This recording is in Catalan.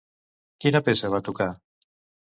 Quina peça va tocar?